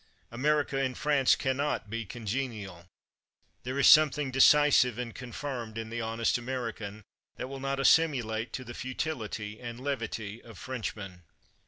America and France can not be congenial. There is something decisive and confirmed in the hon est American, that will not assimulate to the futility and levity of Frenchmen.